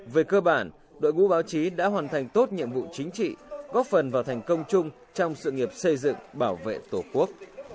về cơ bản đội ngũ báo chí đã hoàn thành tốt nhiệm vụ chính trị góp phần vào thành công chung trong sự nghiệp xây dựng bảo vệ tổ quốc